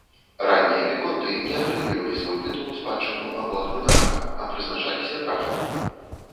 Раннія віконты не атрымлівалі свой тытул у спадчыну або ад манарха, а прызначаліся графамі.